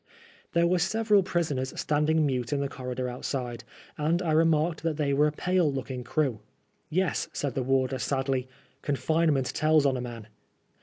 There were several prisoners standing mute in the corridor outside, and I remarked that they were a pale looking crew. " Yes," said the warder sadly, " confine ment tells on a man."